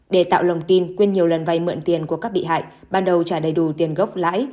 để tạo lòng tin quyên nhiều lần vay mượn tiền của các bị hại ban đầu trả đầy đủ tiền gốc lãi